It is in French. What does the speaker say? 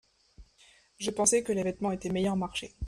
Je pensais que les vêtements étaient meilleur marché.